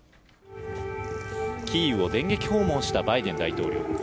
キーウを電撃訪問したバイデン大統領。